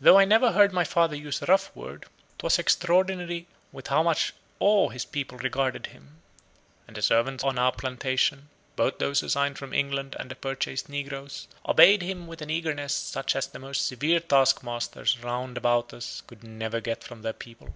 Though I never heard my father use a rough word, 'twas extraordinary with how much awe his people regarded him; and the servants on our plantation, both those assigned from England and the purchased negroes, obeyed him with an eagerness such as the most severe taskmasters round about us could never get from their people.